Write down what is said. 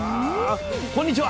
こんにちは。